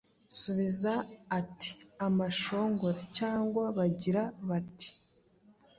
Usubiza ati: “Amashongore”. Cyangwa bagira bati: “